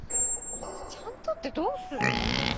ちゃんとってどうするの？